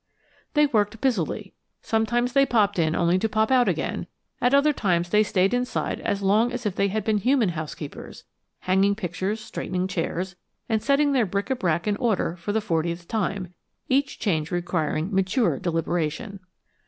They worked busily. Sometimes they popped in only to pop out again; at other times they stayed inside as long as if they had been human housekeepers, hanging pictures, straightening chairs, and setting their bric a brac in order for the fortieth time; each change requiring mature deliberation.